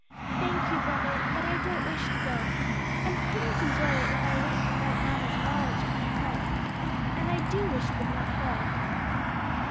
"Thank you, brother, but I don't wish to go, and couldn't enjoy it if I went without mamma's knowledge and consent: and I do wish you would not go."